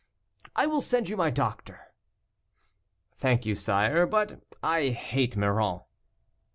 "I will send you my doctor." "Thank you, sire, but I hate Miron."